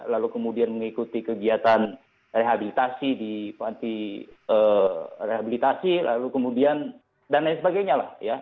lalu kemudian mengikuti kegiatan rehabilitasi di panti rehabilitasi lalu kemudian dan lain sebagainya lah ya